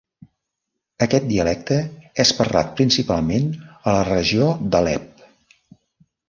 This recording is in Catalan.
Aquest dialecte és parlat principalment a la regió d'Alep.